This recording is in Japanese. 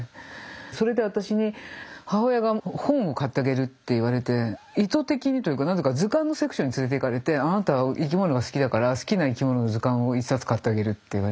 それで私に母親が本を買ってあげるって言われて意図的にというかなぜか図鑑のセクションに連れていかれて「あなたは生き物が好きだから好きな生き物の図鑑を一冊買ってあげる」って言われて。